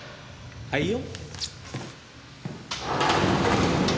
はいよ。